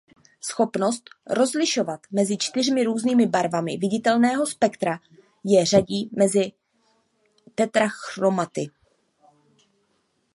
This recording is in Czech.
Schopnost rozlišovat mezi čtyřmi různými barvami viditelného spektra je řadí mezi tetrachromaty.